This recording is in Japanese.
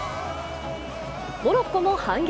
モロッコも反撃。